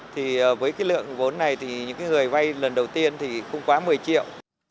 thì với cái lượng vốn này thì những người vay lần đầu tiên thì không quá một mươi triệu